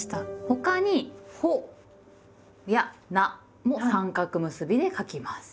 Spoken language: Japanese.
他に「ほ」や「な」も三角結びで書きます。